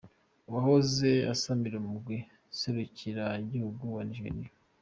Uwahoze asamira umugwi nserukiragihugu wa Nigeria.